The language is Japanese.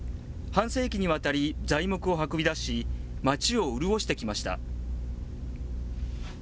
半世紀にわたり材木を運び出し、町を潤してきました。